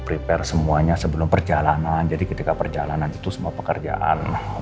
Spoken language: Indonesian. prepare semuanya sebelum perjalanan jadi kita harus pergi ng nodig nanti awalalten the meeting president is available